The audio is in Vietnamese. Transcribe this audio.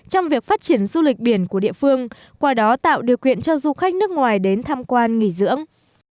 trong việc phát triển du lịch biển của địa phương qua đó tạo điều kiện cho du khách nước ngoài đến tham quan nghỉ dưỡng